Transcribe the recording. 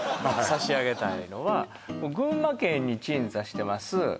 差し上げたいのは群馬県に鎮座してます